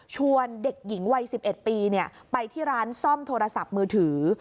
เด็กหญิงวัย๑๑ปีไปที่ร้านซ่อมโทรศัพท์มือถือ